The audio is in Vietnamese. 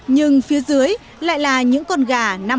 nhưng phía dưới lại là những con gà năm